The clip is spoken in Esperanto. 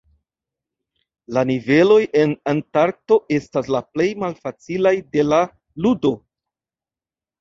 La niveloj en Antarkto estas la plej malfacilaj de la ludo.